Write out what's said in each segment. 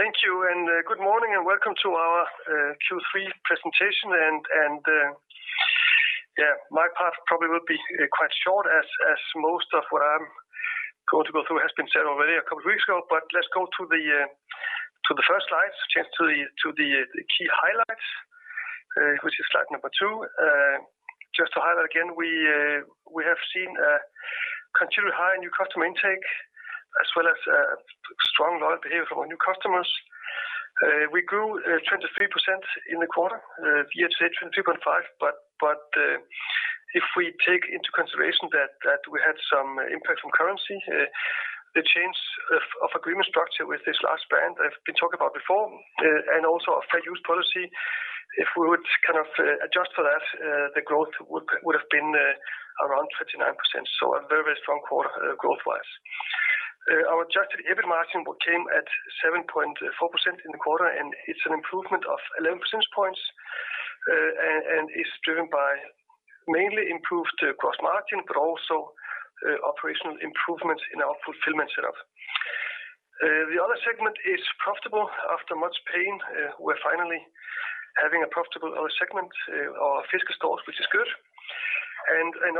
Thank you, good morning, and welcome to our Q3 presentation. My part probably will be quite short as most of what I'm going to go through has been said already a couple of weeks ago. Let's go to the first slide, which is the key highlights, which is slide number two. Just to highlight again, we have seen a continually high new customer intake as well as strong loyal behavior from our new customers. We grew 23% in the quarter, year-to-date, 23.5%. If we take into consideration that we had some impact from currency, the change of agreement structure with this last brand that I've been talking about before, and also our fair use policy, if we would kind of adjust for that, the growth would have been around 39%. A very strong quarter growth-wise. Our adjusted EBIT margin came at 7.4% in the quarter, it's an improvement of 11 percentage points, is driven by mainly improved gross margin, but also operational improvements in our fulfillment setup. The other segment is profitable after much pain. We're finally having a profitable other segment, our physical stores, which is good.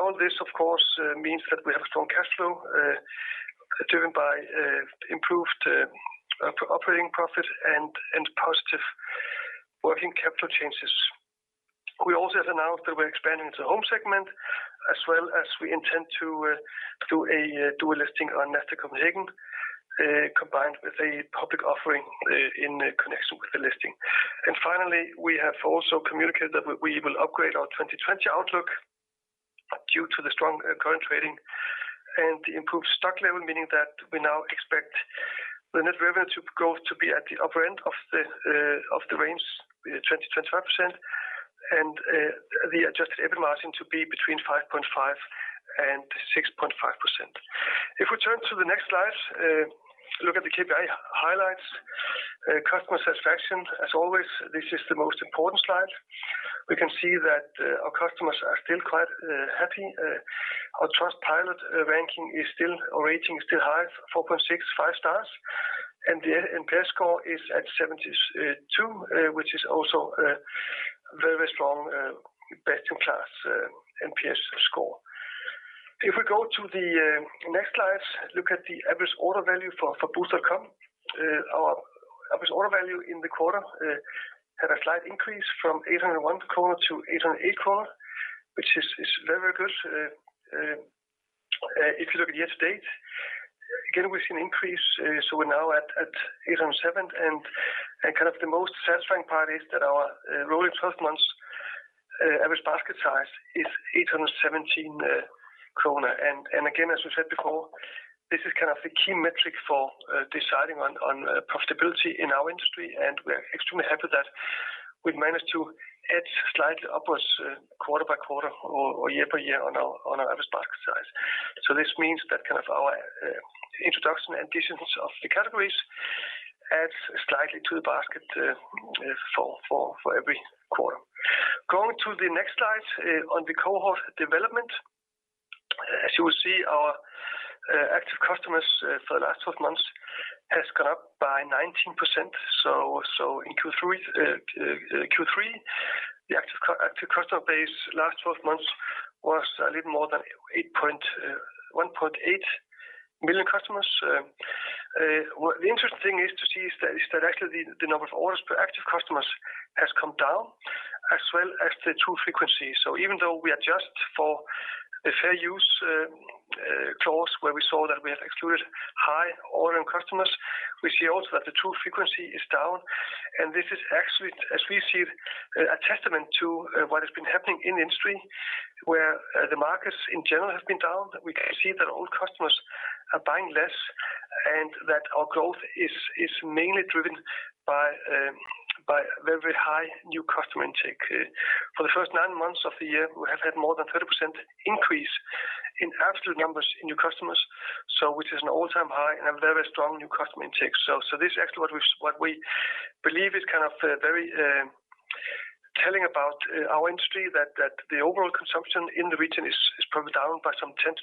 All this, of course, means that we have a strong cash flow driven by improved operating profit and positive working capital changes. We also have announced that we're expanding into home segment as well as we intend to do a dual listing on Nasdaq Copenhagen, combined with a public offering in connection with the listing. Finally, we have also communicated that we will upgrade our 2020 outlook due to the strong current trading and the improved stock level, meaning that we now expect the net revenue growth to be at the upper end of the range, 20%-25%, and the adjusted EBIT margin to be between 5.5% and 6.5%. If we turn to the next slide, look at the KPI highlights, customer satisfaction, as always, this is the most important slide. We can see that our customers are still quite happy. Our Trustpilot ranking is still, or rating, still high, 4.6, five stars, and the NPS score is at 72, which is also a very strong best-in-class NPS score. If we go to the next slide, look at the average order value for boozt.com. Our average order value in the quarter had a slight increase from 801 to 808, which is very good. If you look at year-to-date, again, we've seen increase, so we're now at 807, and kind of the most satisfying part is that our rolling 12 months average basket size is 817 kronor. Again, as we said before, this is kind of the key metric for deciding on profitability in our industry, and we're extremely happy that we've managed to edge slightly upwards quarter-by-quarter or year-by-year on our average basket size. This means that kind of our introduction additions of the categories adds slightly to the basket for every quarter. Going to the next slide on the cohort development. As you will see, our active customers for the last 12 months has gone up by 19%. In Q3, the active customer base last 12 months was a little more than 1.8 million customers. The interesting thing is to see is that actually the number of orders per active customers has come down as well as the true frequency. Even though we adjust for the Fair Use clause where we saw that we have excluded high-ordering customers, we see also that the true frequency is down, and this is actually, as we see, a testament to what has been happening in the industry where the markets in general have been down. We see that old customers are buying less and that our growth is mainly driven by very high new customer intake. For the first nine months of the year, we have had more than 30% increase in absolute numbers in new customers, which is an all-time high and a very strong new customer intake. This is actually what we believe is kind of very telling about our industry, that the overall consumption in the region is probably down by some 10%-20%,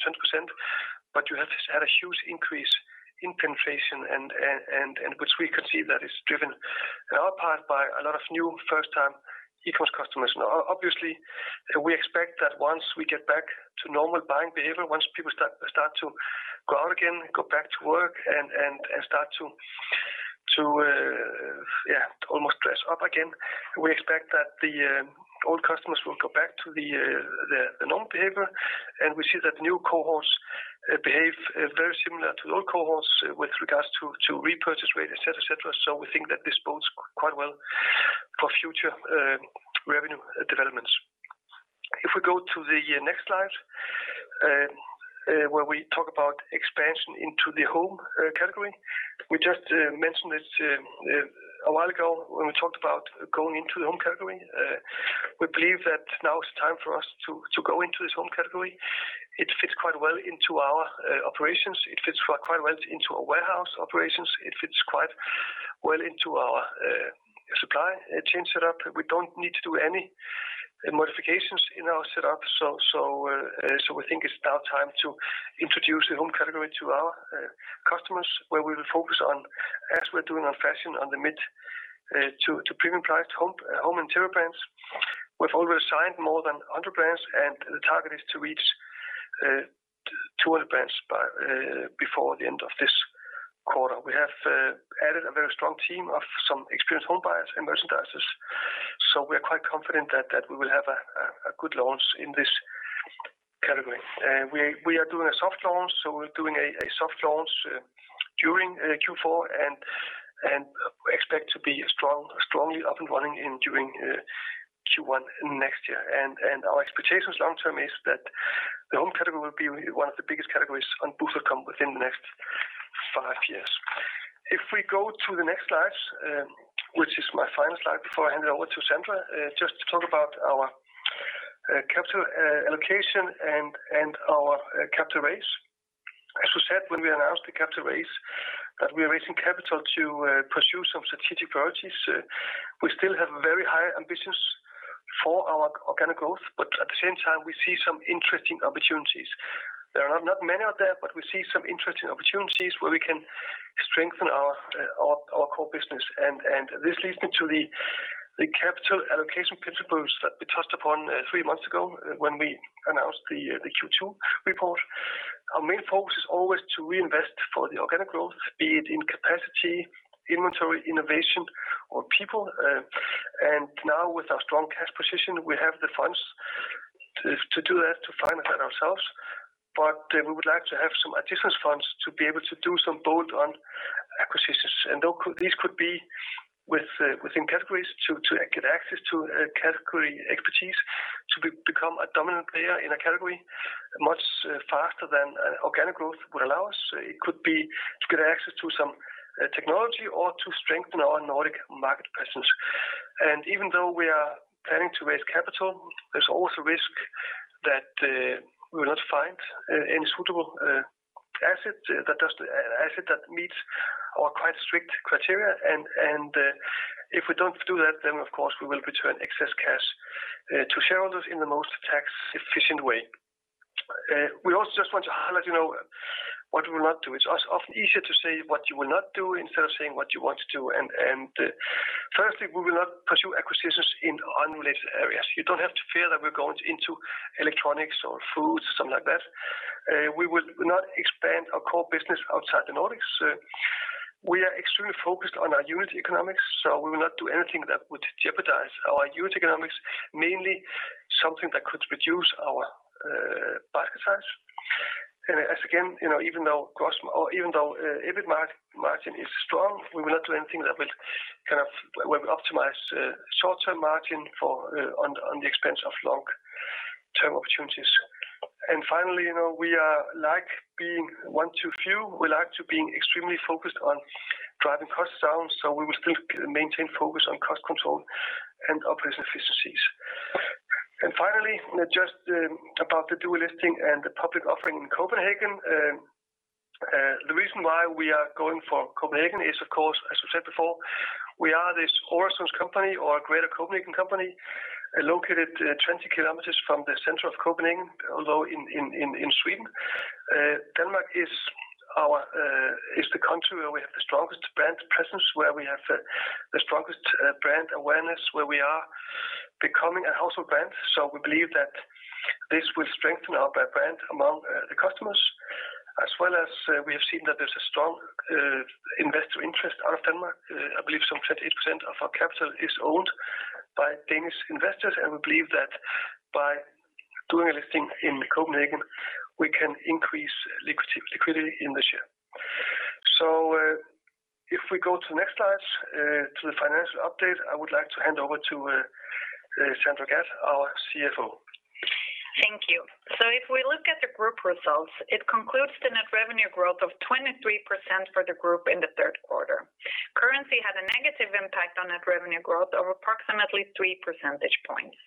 but you have had a huge increase in penetration and which we could see that is driven in our part by a lot of new first-time e-commerce customers. Obviously, we expect that once we get back to normal buying behavior, once people start to go out again, go back to work and start to almost dress up again, we expect that the old customers will go back to the normal behavior, and we see that new cohorts behave very similar to old cohorts with regards to repurchase rate, et cetera. We think that this bodes quite well for future revenue developments. If we go to the next slide, where we talk about expansion into the home category. We just mentioned this a while ago when we talked about going into the home category. We believe that now is the time for us to go into this home category. It fits quite well into our operations. It fits quite well into our warehouse operations. It fits quite well into our supply chain setup. We don't need to do any modifications in our setup. We think it's now time to introduce the home category to our customers, where we will focus on, as we're doing on fashion, on the mid to premium price home interior brands. We've already signed more than 100 brands, and the target is to reach 200 brands before the end of this quarter. We have added a very strong team of some experienced home buyers and merchandisers. We are quite confident that we will have a good launch in this category. We are doing a soft launch, so we're doing a soft launch during Q4 and expect to be strongly up and running during Q1 next year. Our expectations long-term is that the home category will be one of the biggest categories on Boozt.com within the next five years. If we go to the next slide, which is my final slide before I hand it over to Sandra, just to talk about our capital allocation and our capital raise. As we said when we announced the capital raise, that we are raising capital to pursue some strategic priorities. We still have very high ambitions for our organic growth, but at the same time, we see some interesting opportunities. There are not many out there, but we see some interesting opportunities where we can strengthen our core business. This leads me to the capital allocation principles that we touched upon three months ago when we announced the Q2 report. Our main focus is always to reinvest for the organic growth, be it in capacity, inventory, innovation, or people. Now with our strong cash position, we have the funds to do that, to finance that ourselves. We would like to have some additional funds to be able to do some bolt-on acquisitions. These could be within categories to get access to category expertise to become a dominant player in a category much faster than organic growth would allow us. It could be to get access to some technology or to strengthen our Nordic market presence. Even though we are planning to raise capital, there's also risk that we will not find any suitable asset that meets our quite strict criteria. If we don't do that, then of course we will return excess cash to shareholders in the most tax-efficient way. We also just want to highlight what we will not do. It's often easier to say what you will not do instead of saying what you want to do. Firstly, we will not pursue acquisitions in unrelated areas. You don't have to fear that we're going into electronics or food, something like that. We will not expand our core business outside the Nordics. We are extremely focused on our unit economics, so we will not do anything that would jeopardize our unit economics, mainly something that could reduce our basket size. Again, even though EBIT margin is strong, we will not do anything that will optimize short-term margin on the expense of long-term opportunities. Finally, we like being one to few. We like to be extremely focused on driving costs down, we will still maintain focus on cost control and operational efficiencies. Finally, just about the dual listing and the public offering in Copenhagen. The reason why we are going for Copenhagen is, of course, as we said before, we are this Øresund company or a greater Copenhagen company, located 20 km from the center of Copenhagen, although in Sweden. Denmark is the country where we have the strongest brand presence, where we have the strongest brand awareness, where we are becoming a household brand. We believe that this will strengthen our brand among the customers, as well as we have seen that there's a strong investor interest out of Denmark. I believe some 28% of our capital is owned by Danish investors. We believe that by doing a listing in Copenhagen, we can increase liquidity in the share. If we go to the next slide, to the financial update, I would like to hand over to Sandra Gadd, our CFO. Thank you. If we look at the group results, it concludes the net revenue growth of 23% for the group in the third quarter. Currency had a negative impact on net revenue growth of approximately 3 percentage points.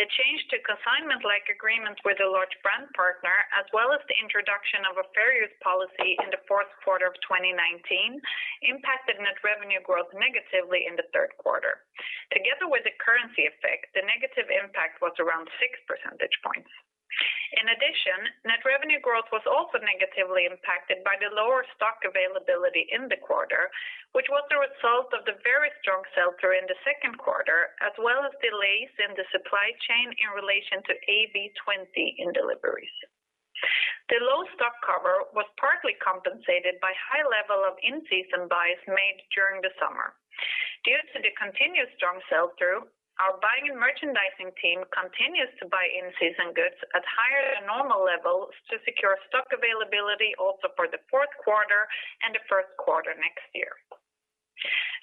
The change to consignment-like agreement with a large brand partner, as well as the introduction of a fair use policy in the fourth quarter of 2019, impacted net revenue growth negatively in the third quarter. Together with the currency effect, the negative impact was around six percentage points. In addition, net revenue growth was also negatively impacted by the lower stock availability in the quarter, which was the result of the very strong sell-through in the second quarter, as well as delays in the supply chain in relation to AW20 in deliveries. The low stock cover was partly compensated by high level of in-season buys made during the summer. Due to the continuous strong sell-through, our buying and merchandising team continues to buy in-season goods at higher than normal levels to secure stock availability also for the fourth quarter and the first quarter next year.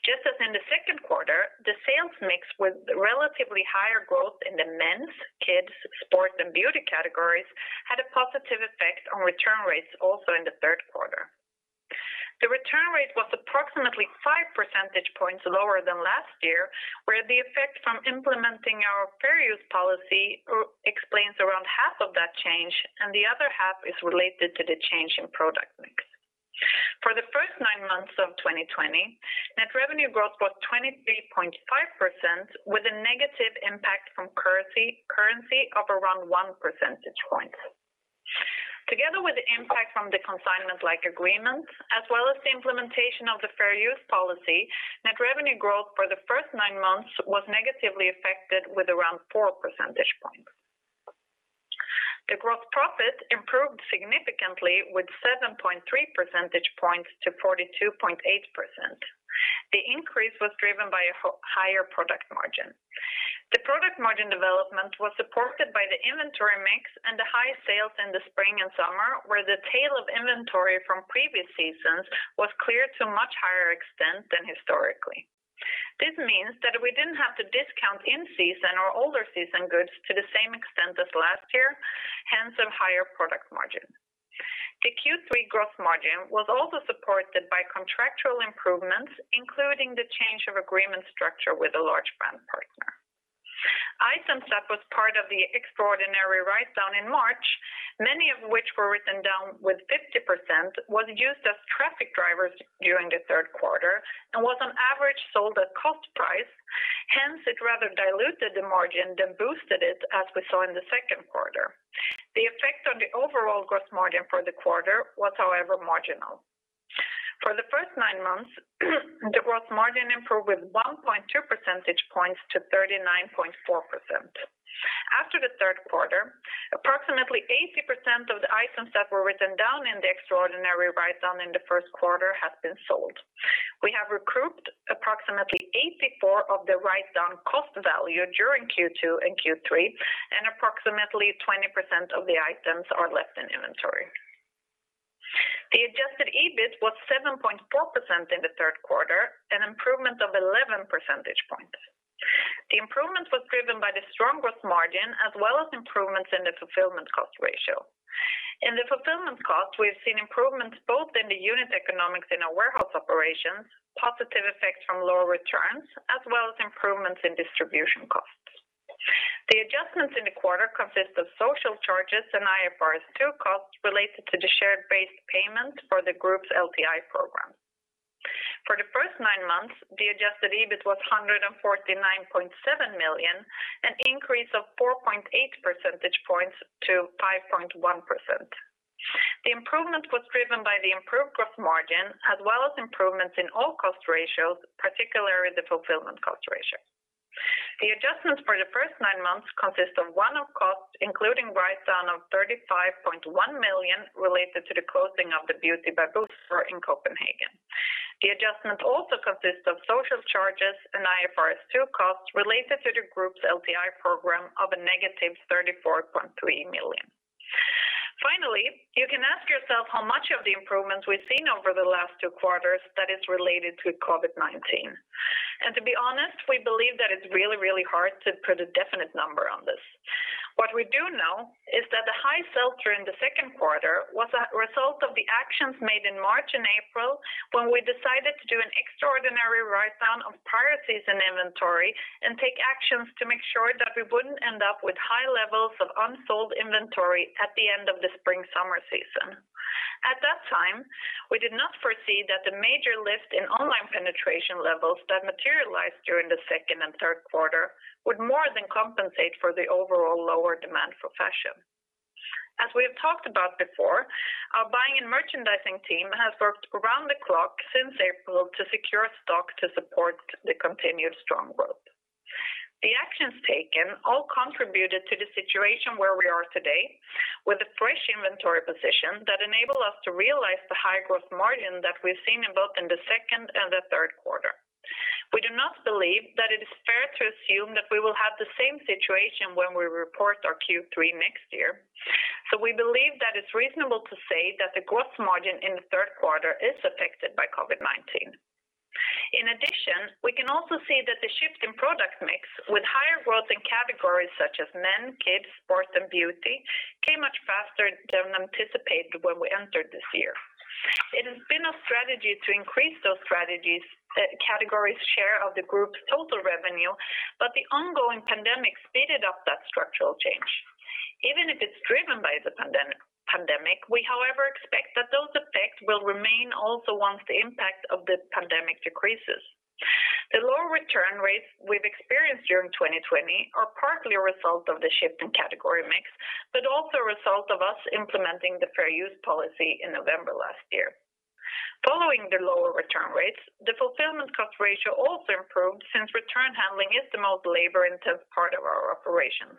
Just as in the second quarter, the sales mix with relatively higher growth in the men's, kids, sports, and beauty categories had a positive effect on return rates also in the third quarter. The return rate was approximately five percentage points lower than last year, where the effect from implementing our fair use policy explains around half of that change, and the other half is related to the change in product mix. For the first nine months of 2020, net revenue growth was 23.5% with a negative impact from currency of around one percentage point. Together with the impact from the consignment-like agreement, as well as the implementation of the fair use policy, net revenue growth for the first nine months was negatively affected with around four percentage points. The gross profit improved significantly with 7.3 percentage points to 42.8%. The increase was driven by a higher product margin. The product margin development was supported by the inventory mix and the high sales in the spring and summer, where the tail of inventory from previous seasons was cleared to a much higher extent than historically. This means that we didn't have to discount in-season or older-season goods to the same extent as last year, hence a higher product margin. The Q3 gross margin was also supported by contractual improvements, including the change of agreement structure with a large brand partner. Items that was part of the extraordinary write-down in March, many of which were written down with 50%, was used as traffic drivers during the third quarter and was on average sold at cost price. Hence, it rather diluted the margin than boosted it as we saw in the second quarter. The effect on the overall gross margin for the quarter was, however, marginal. For the first nine months, the gross margin improved with 1.2 percentage points to 39.4%. After the third quarter, approximately 80% of the items that were written down in the extraordinary write-down in the first quarter have been sold. We have recouped approximately 84 of the write-down cost value during Q2 and Q3, and approximately 20% of the items are left in inventory. The adjusted EBIT was 7.4% in the third quarter, an improvement of 11 percentage points. The improvement was driven by the strong growth margin, as well as improvements in the fulfillment cost ratio. In the fulfillment cost, we have seen improvements both in the unit economics in our warehouse operations, positive effects from lower returns, as well as improvements in distribution costs. The adjustments in the quarter consist of social charges and IFRS 2 costs related to the share-based payment for the group's LTI program. For the first nine months, the adjusted EBIT was 149.7 million, an increase of 4.8 percentage points to 5.1%. The improvement was driven by the improved gross margin, as well as improvements in all cost ratios, particularly the fulfillment cost ratio. The adjustments for the first nine months consist of one-off costs, including write-down of 35.1 million related to the closing of the Beauty by Boozt in Copenhagen. The adjustment also consists of social charges and IFRS 2 costs related to the group's LTI program of -34.3 million. Finally, you can ask yourself how much of the improvements we've seen over the last two quarters that is related to COVID-19. To be honest, we believe that it's really hard to put a definite number on this. What we do know is that the high sale during the second quarter was a result of the actions made in March and April, when we decided to do an extraordinary write-down of prior season inventory and take actions to make sure that we wouldn't end up with high levels of unsold inventory at the end of the spring/summer season. At that time, we did not foresee that the major lift in online penetration levels that materialized during the second and third quarter would more than compensate for the overall lower demand for fashion. As we have talked about before, our buying and merchandising team has worked around the clock since April to secure stock to support the continued strong growth. The actions taken all contributed to the situation where we are today with a fresh inventory position that enable us to realize the high gross margin that we've seen in both in the second and the third quarter. We do not believe that it is fair to assume that we will have the same situation when we report our Q3 next year. We believe that it's reasonable to say that the gross margin in the third quarter is affected by COVID-19. We can also see that the shift in product mix with higher growth in categories such as men, kids, sports, and beauty, came much faster than anticipated when we entered this year. It has been a strategy to increase those categories' share of the group's total revenue, but the ongoing pandemic speeded up that structural change. Even if it's driven by the pandemic, we however, expect that those effects will remain also once the impact of the pandemic decreases. The lower return rates we've experienced during 2020 are partly a result of the shift in category mix, but also a result of us implementing the fair use policy in November last year. Following the lower return rates, the fulfillment cost ratio also improved since return handling is the most labor-intensive part of our operations.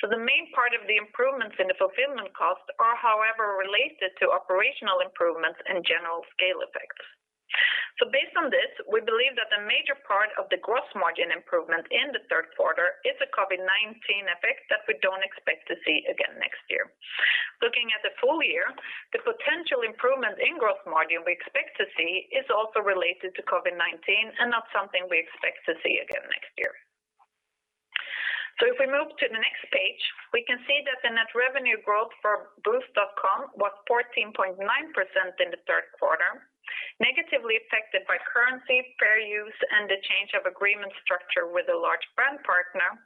The main part of the improvements in the fulfillment cost are, however, related to operational improvements and general scale effects. Based on this, we believe that a major part of the gross margin improvement in the third quarter is a COVID-19 effect that we don't expect to see again next year. Looking at the full-year, the potential improvement in gross margin we expect to see is also related to COVID-19 and not something we expect to see again next year. If we move to the next page, we can see that the net revenue growth for Boozt.com was 14.9% in the third quarter. Negatively affected by currency, fair use, and the change of agreement structure with a large brand partner,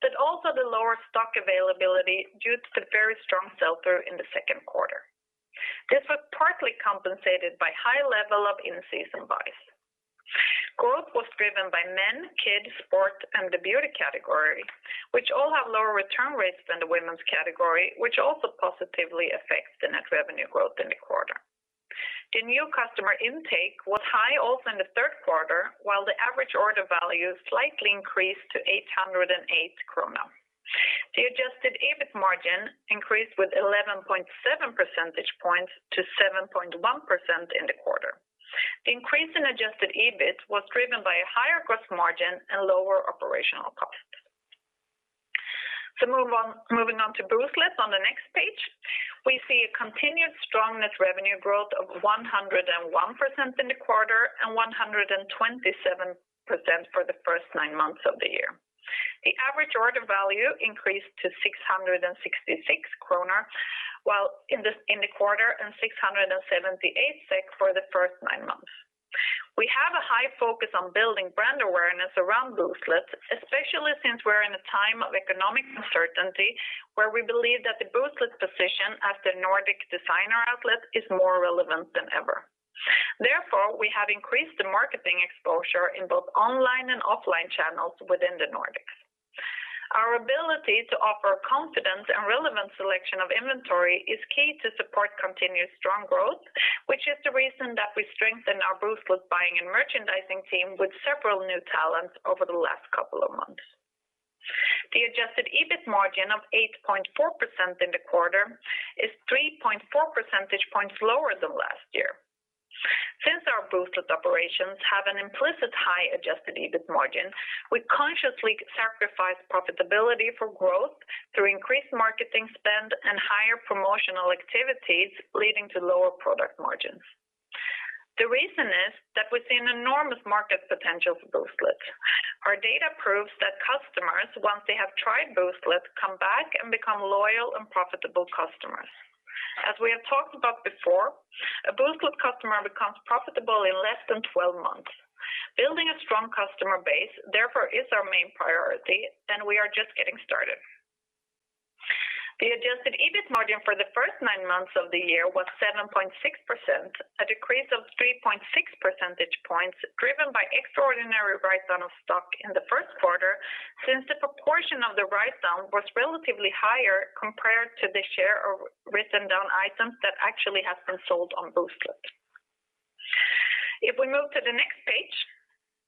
but also the lower stock availability due to the very strong sell-through in the second quarter. This was partly compensated by high level of in-season buys. Growth was driven by men, kids, sport, and the beauty category, which all have lower return rates than the women's category, which also positively affects the net revenue growth in the quarter. The new customer intake was high also in the third quarter, while the average order value slightly increased to 808 krona. The adjusted EBIT margin increased with 11.7 percentage points to 7.1% in the quarter. The increase in adjusted EBIT was driven by a higher gross margin and lower operational costs. Moving on to Booztlet on the next page, we see a continued strong net revenue growth of 101% in the quarter and 127% for the first nine months of the year. The average order value increased to 666 kronor, while in the quarter and 678 SEK for the first nine months. We have a high focus on building brand awareness around Booztlet, especially since we're in a time of economic uncertainty, where we believe that the Booztlet position as the Nordic designer outlet is more relevant than ever. Therefore, we have increased the marketing exposure in both online and offline channels within the Nordics. Our ability to offer confidence and relevant selection of inventory is key to support continued strong growth, which is the reason that we strengthened our Booztlet buying and merchandising team with several new talents over the last couple of months. The adjusted EBIT margin of 8.4% in the quarter is 3.4 percentage points lower than last year. Since our Booztlet operations have an implicit high-adjusted EBIT margin, we consciously sacrifice profitability for growth through increased marketing spend and higher promotional activities, leading to lower product margins. The reason is that we see an enormous market potential for Booztlet. Our data proves that customers, once they have tried Booztlet, come back and become loyal and profitable customers. As we have talked about before, a Booztlet customer becomes profitable in less than 12 months. Building a strong customer base, therefore, is our main priority, and we are just getting started. The adjusted EBIT margin for the first nine months of the year was 7.6%, a decrease of 3.6 percentage points driven by extraordinary write-down of stock in the first quarter, since the proportion of the write-down was relatively higher compared to the share of written-down items that actually have been sold on Booztlet. If we move to the next page,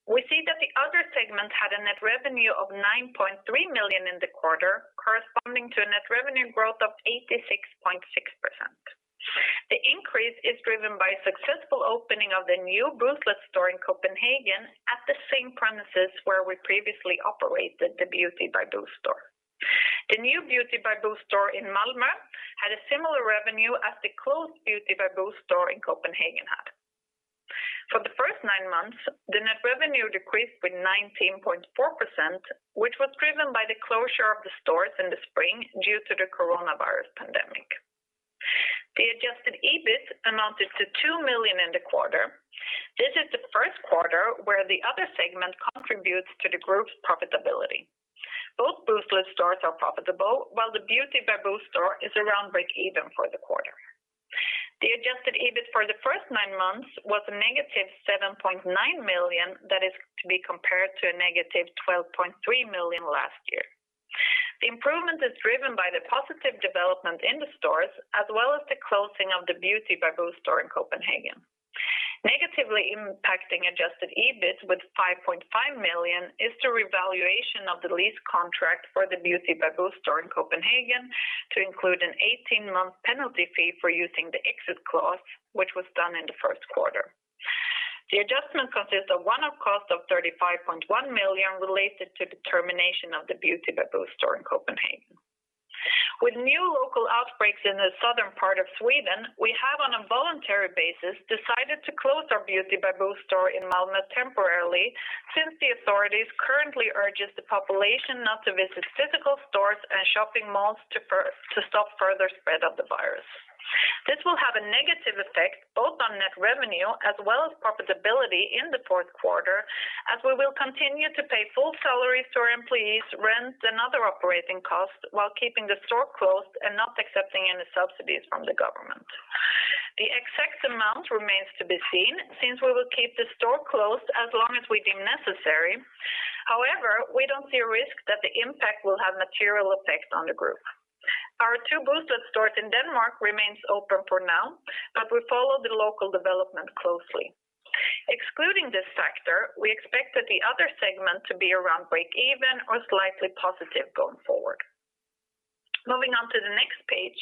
we see that the other segment had a net revenue of 9.3 million in the quarter, corresponding to a net revenue growth of 86.6%. The increase is driven by a successful opening of the new Booztlet store in Copenhagen at the same premises where we previously operated the Beauty by Boozt store. The new Beauty by Boozt store in Malmö had a similar revenue as the closed Beauty by Boozt store in Copenhagen had. For the first nine months, the net revenue decreased with 19.4%, which was driven by the closure of the stores in the spring due to the coronavirus pandemic. The adjusted EBIT amounted to 2 million in the quarter. This is the first quarter where the other segment contributes to the group's profitability. Both Booztlet stores are profitable, while the Beauty by Boozt store is around breakeven for the quarter. The adjusted EBIT for the first nine months was a negative 7.9 million, that is to be compared to a negative 12.3 million last year. The improvement is driven by the positive development in the stores, as well as the closing of the Beauty by Boozt store in Copenhagen. Negatively impacting adjusted EBIT with 5.5 million is the revaluation of the lease contract for the Beauty by Boozt store in Copenhagen to include an 18-month penalty fee for using the exit clause, which was done in the first quarter. The adjustment consists of one-off cost of 35.1 million related to the termination of the Beauty by Boozt store in Copenhagen. With new local outbreaks in the southern part of Sweden, we have, on a voluntary basis, decided to close our Beauty by Boozt store in Malmö temporarily since the authorities currently urge the population not to visit physical stores and shopping malls to stop further spread of the virus. This will have a negative effect both on net revenue as well as profitability in the fourth quarter, as we will continue to pay full salaries to our employees, rent, and other operating costs while keeping the store closed and not accepting any subsidies from the government. The exact amount remains to be seen since we will keep the store closed as long as we deem necessary. However, we don't see a risk that the impact will have material effects on the group. Our two Booztlet stores in Denmark remain open for now, but we follow the local development closely. Excluding this factor, we expect that the other segment to be around breakeven or slightly positive going forward. Moving on to the next page,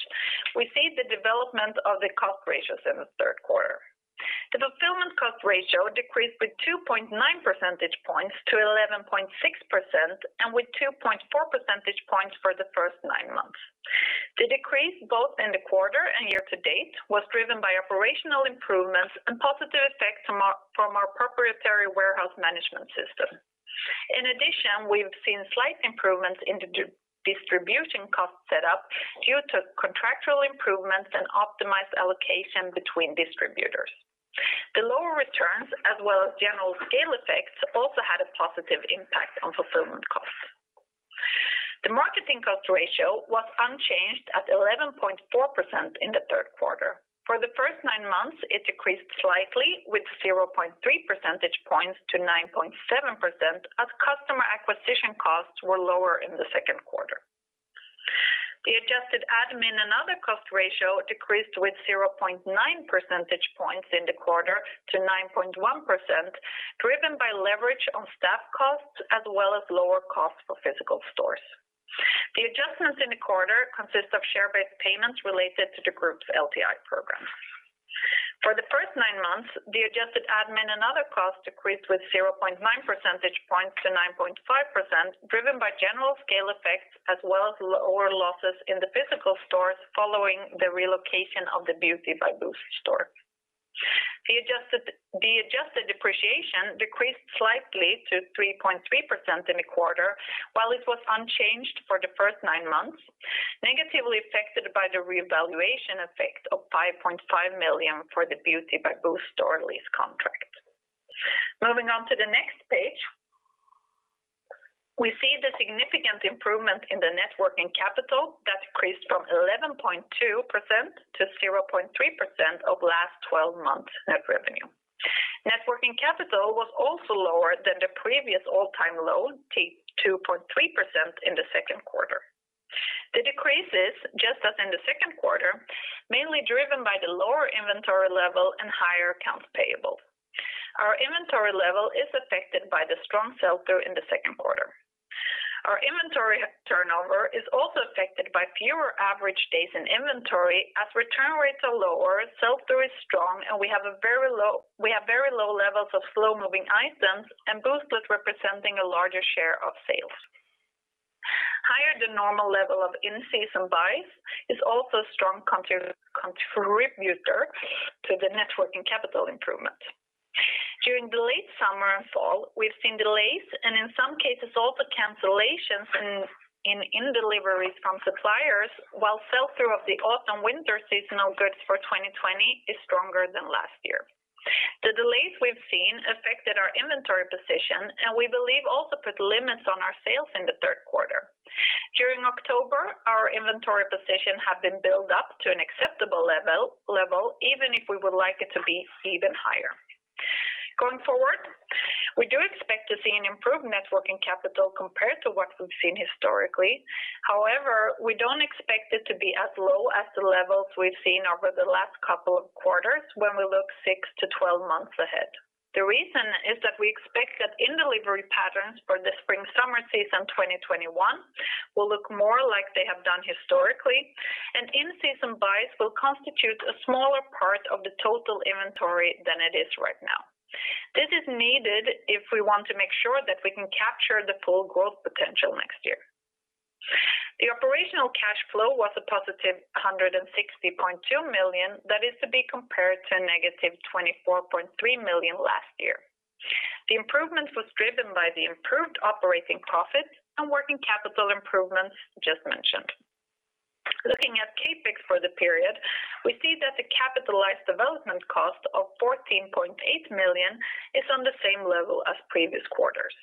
we see the development of the cost ratios in the third quarter. The fulfillment cost ratio decreased with 2.9 percentage points to 11.6% and with 2.4 percentage points for the first nine months. The decrease both in the quarter and year to date was driven by operational improvements and positive effects from our proprietary warehouse management system. In addition, we've seen slight improvements in the distribution cost setup due to contractual improvements and optimized allocation between distributors. The lower returns, as well as general scale effects, also had a positive impact on fulfillment costs. The marketing cost ratio was unchanged at 11.4% in the third quarter. For the first nine months, it decreased slightly with 0.3 percentage points to 9.7% as customer acquisition costs were lower in the second quarter. The adjusted admin and other cost ratio decreased with 0.9 percentage points in the quarter to 9.1%, driven by leverage on staff costs as well as lower costs for physical stores. The adjustments in the quarter consist of share-based payments related to the group's LTI program. For the first nine months, the adjusted admin and other costs decreased with 0.9 percentage points to 9.5%, driven by general scale effects as well as lower losses in the physical stores following the relocation of the Beauty by Boozt store. The adjusted depreciation decreased slightly to 3.3% in the quarter, while it was unchanged for the first nine months, negatively affected by the revaluation effect of 5.5 million for the Beauty by Boozt store lease contract. Moving on to the next page, we see the significant improvement in the net working capital that decreased from 11.2% to 0.3% over the last 12 months net revenue. Net working capital was also lower than the previous all-time low, 2.3% in the second quarter. The decreases, just as in the second quarter, mainly driven by the lower inventory level and higher accounts payable. Our inventory level is affected by the strong sell-through in the second quarter. Our inventory turnover is also affected by fewer average days in inventory as return rates are lower, sell-through is strong, and we have very low levels of slow-moving items and Booztlet representing a larger share of sales. Higher than normal level of in-season buys is also a strong contributor to the net working capital improvement. During the late summer and fall, we've seen delays and in some cases, also cancellations in deliveries from suppliers, while sell-through of the Autumn/Winter seasonal goods for 2020 is stronger than last year. The delays we've seen affected our inventory position and we believe also put limits on our sales in the third quarter. During October, our inventory position had been built up to an acceptable level, even if we would like it to be even higher. Going forward, we do expect to see an improved net working capital compared to what we've seen historically. However, we don't expect it to be as low as the levels we've seen over the last couple of quarters when we look six to 12 months ahead. The reason is that we expect that in-delivery patterns for the spring/summer season 2021 will look more like they have done historically, and in-season buys will constitute a smaller part of the total inventory than it is right now. This is needed if we want to make sure that we can capture the full growth potential next year. The operational cash flow was +160.2 million. That is to be compared to -24.3 million last year. The improvement was driven by the improved operating profit and working capital improvements just mentioned. Looking at CapEx for the period, we see that the capitalized development cost of 14.8 million is on the same level as previous quarters.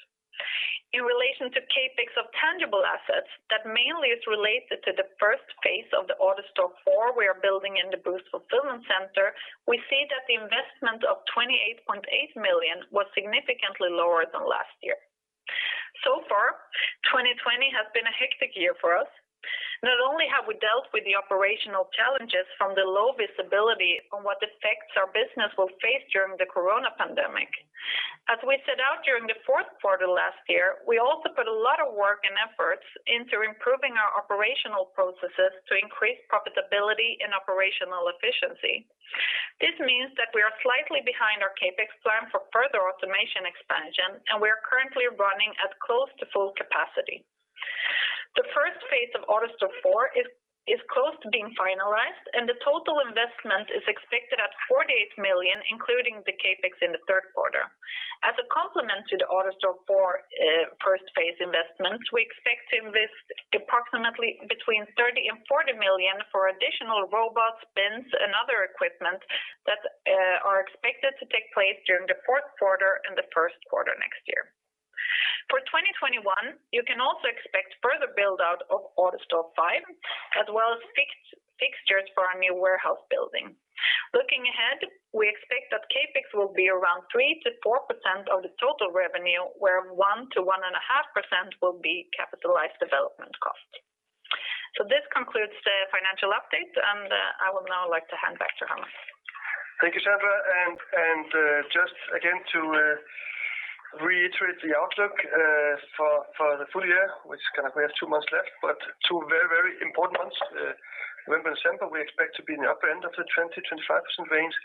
In relation to CapEx of tangible assets, that mainly is related to the first phase of the AutoStore four we are building in the Boozt fulfillment center, we see that the investment of 28.8 million was significantly lower than last year. So far, 2020 has been a hectic year for us. Not only have we dealt with the operational challenges from the low visibility on what effects our business will face during the corona pandemic, as we set out during the fourth quarter last year, we also put a lot of work and efforts into improving our operational processes to increase profitability and operational efficiency. This means that we are slightly behind our CapEx plan for further automation expansion, and we are currently running at close to full capacity. The first phase of AutoStore four is close to being finalized, and the total investment is expected at 48 million, including the CapEx in the third quarter. As a complement to the AutoStore four first phase investment, we expect to invest approximately between 30 million and 40 million for additional robots, bins, and other equipment that are expected to take place during the fourth quarter and the first quarter next year. For 2021, you can also expect further build-out of AutoStore five, as well as fixtures for our new warehouse building. Looking ahead, we expect that CapEx will be around 3%-4% of the total revenue, where 1%-1.5% will be capitalized development cost. This concludes the financial update, and I would now like to hand back to Hermann. Thank you, Sandra. Just again to reiterate the outlook for the full-year, which we have two months left, but two very important months, November, December, we expect to be in the upper end of the 20%-25% range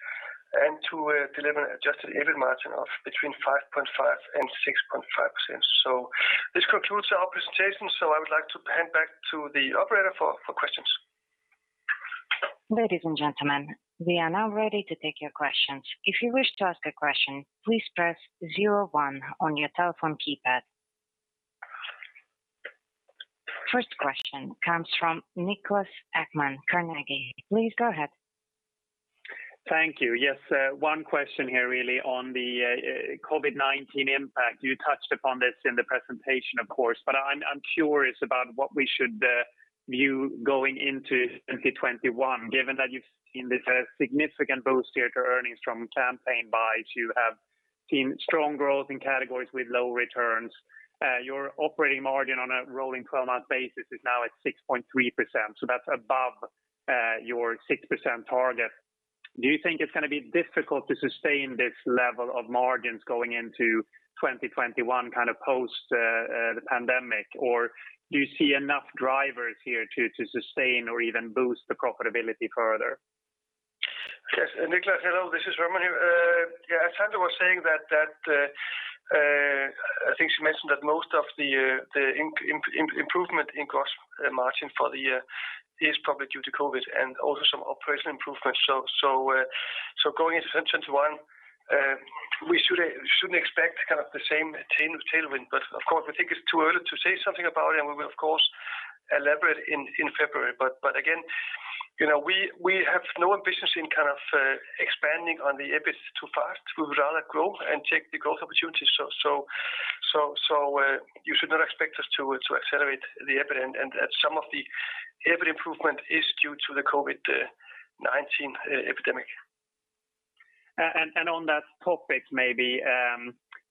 and to deliver an adjusted EBIT margin of between 5.5% and 6.5%. This concludes our presentation. I would like to hand back to the operator for questions. Ladies and gentlemen, we are now ready to take your questions. If you wish to ask a question please press zero one on your telephone keypad. First question comes from Niklas Ekman, Carnegie. Please go ahead. Thank you. Yes, one question here really on the COVID-19 impact. You touched upon this in the presentation, of course, but I'm curious about what we should view going into 2021, given that you've seen this significant boost here to earnings from campaign buys. You have seen strong growth in categories with low returns. Your operating margin on a rolling 12-month basis is now at 6.3%, so that's above your 6% target. Do you think it's going to be difficult to sustain this level of margins going into 2021 post the pandemic, or do you see enough drivers here to sustain or even boost the profitability further? Yes. Niklas, hello, this is Hermann here. As Sandra was saying, I think she mentioned that most of the improvement in gross margin for the year is probably due to COVID and also some operational improvements. Going into 2021, we shouldn't expect kind of the same tailwind, of course, we think it's too early to say something about it, we will, of course, elaborate in February. Again, we have no ambitions in kind of expanding on the EBIT too fast. We would rather grow and take the growth opportunities. You should not expect us to accelerate the EBIT and that some of the EBIT improvement is due to the COVID-19 epidemic. On that topic maybe,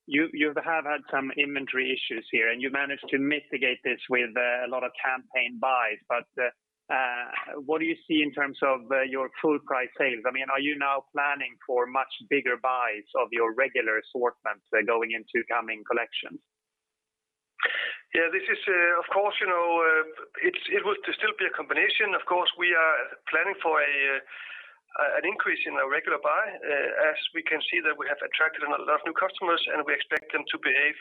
you have had some inventory issues here, and you've managed to mitigate this with a lot of campaign buys, but what do you see in terms of your full price sales? Are you now planning for much bigger buys of your regular assortment going into coming collections? Yeah, it would still be a combination. We are planning for an increase in our regular buy as we can see that we have attracted a lot of new customers, and we expect them to behave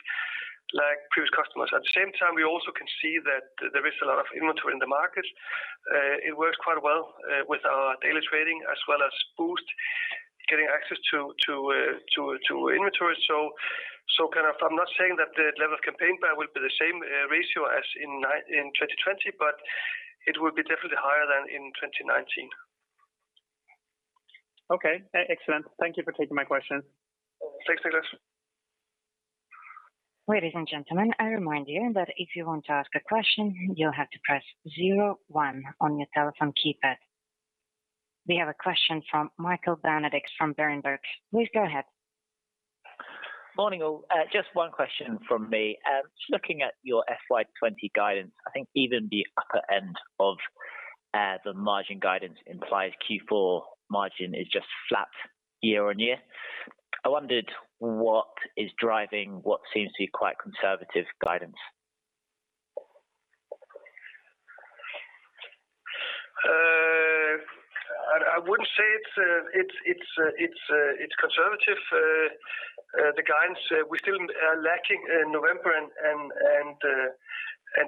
like previous customers. At the same time, we also can see that there is a lot of inventory in the market. It works quite well with our daily trading as well as Boozt getting access to inventory. I'm not saying that the level of campaign buy will be the same ratio as in 2020, but it will be definitely higher than in 2019. Okay, excellent. Thank you for taking my question. Thanks, Niklas. Ladies and gentlemen, I remind you that if you want to ask a question, you'll have to press zero one on your telephone keypad. We have a question from Michael Benedict from Berenberg. Please go ahead. Morning, all. Just one question from me. Just looking at your FY 2020 guidance, I think even the upper end of the margin guidance implies Q4 margin is just flat year-on-year. I wondered what is driving what seems to be quite conservative guidance? I wouldn't say it's conservative, the guidance. We still are lacking in November and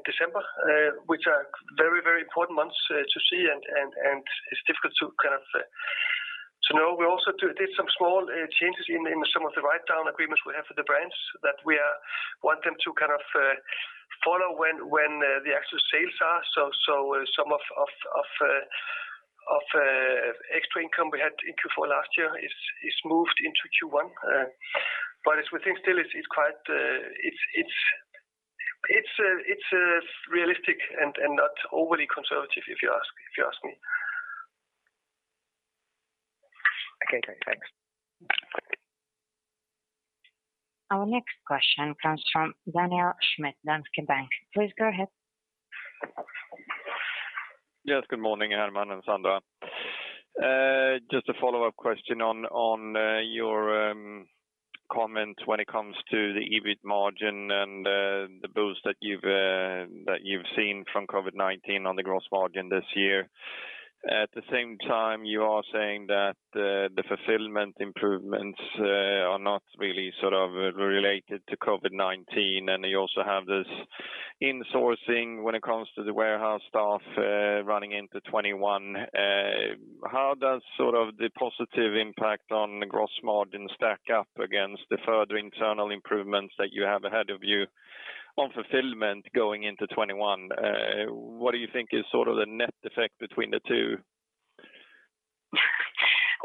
December, which are very important months to see, and it's difficult to know. We also did some small changes in some of the write-down agreements we have with the brands that we want them to kind of follow when the actual sales are. Some of extra income we had in Q4 last year is moved into Q1. We think still it's realistic and not overly conservative, if you ask me. Okay, great. Thanks. Bye. Our next question comes from Daniel Schmidt, Danske Bank. Please go ahead. Good morning, Hermann and Sandra. Just a follow-up question on your comment when it comes to the EBIT margin and the boost that you've seen from COVID-19 on the gross margin this year. At the same time, you are saying that the fulfillment improvements are not really sort of related to COVID-19, and you also have this insourcing when it comes to the warehouse staff running into 2021. How does sort of the positive impact on the gross margin stack up against the further internal improvements that you have ahead of you on fulfillment going into 2021? What do you think is sort of the net effect between the two?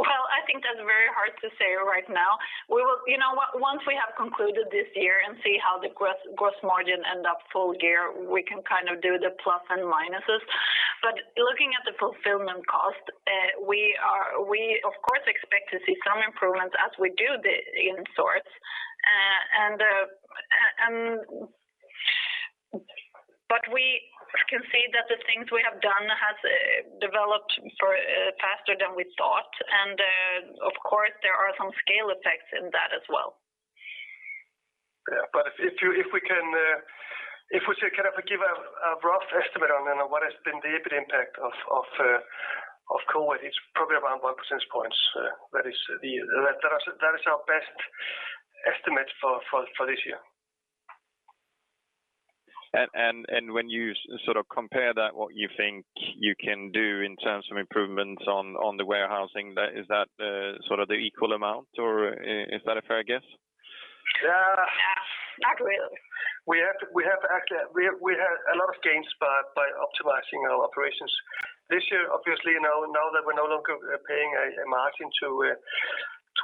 I think that's very hard to say right now. Once we have concluded this year and see how the gross margin end up full-year, we can kind of do the plus and minuses. Looking at the fulfillment cost, we of course expect to see some improvements as we do the insourcing. We can see that the things we have done has developed faster than we thought, and of course, there are some scale effects in that as well. If we kind of give a rough estimate on what has been the EBIT impact of COVID, it's probably around one percentage point. That is our best estimate for this year. When you compare that, what you think you can do in terms of improvements on the warehousing, is that the equal amount, or is that a fair guess? Yeah. Not really. We had a lot of gains by optimizing our operations. This year, obviously, now that we're no longer paying a margin to a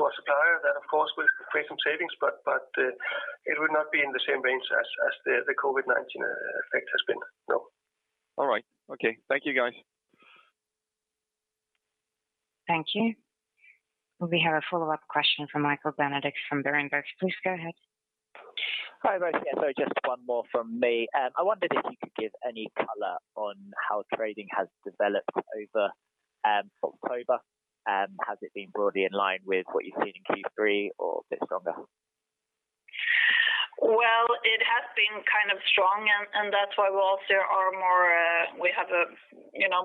supplier, that of course will create some savings, but it would not be in the same range as the COVID-19 effect has been. No. All right. Okay. Thank you, guys. Thank you. We have a follow-up question from Michael Benedict from Berenberg. Please go ahead. Hi, Gadd. Just one more from me. I wondered if you could give any color on how trading has developed over October, and has it been broadly in line with what you've seen in Q3 or a bit stronger? It has been kind of strong, and that's why we have a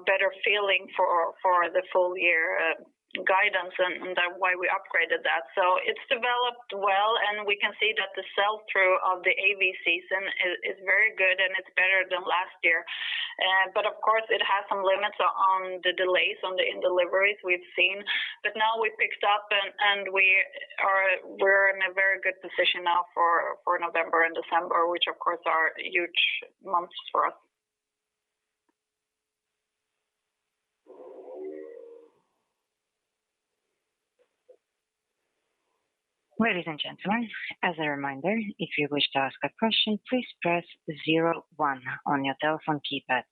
better feeling for the full-year guidance and why we upgraded that. It's developed well, and we can see that the sell-through of the AW season is very good and it's better than last year. Of course, it has some limits on the delays on the deliveries we've seen. Now we've picked up and we're in a very good position now for November and December, which of course are huge months for us. Ladies and gentlemen as a reminder if you wish to ask a question please press zero one on your telephone keypad.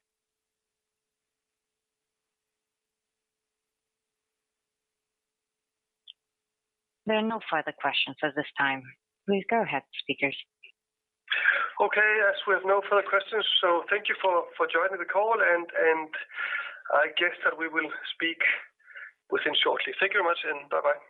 There are no further questions at this time. Please go ahead, speakers. Okay. Yes, we have no further questions. Thank you for joining the call, and I guess that we will speak within shortly. Thank you very much, and bye-bye.